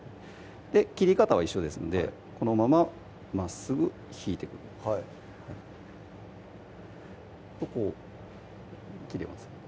切り方は一緒ですのでこのまままっすぐ引いてくるはいこう切れます